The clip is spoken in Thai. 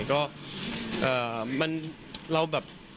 ก็เอ่อมันเราแบบ